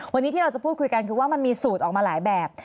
วันนี้ที่เราจะพูดคุยกันคือว่ามันมีสูตรออกมาหลายแบบ